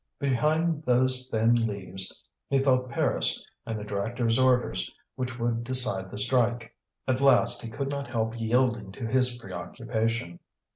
Behind those thin leaves he felt Paris and the directors' orders, which would decide the strike. At last he could not help yielding to his preoccupation.